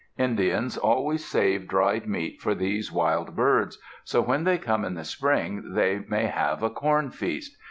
Indians always save dried meat for these wild birds, so when they come in the spring they may have a corn feast.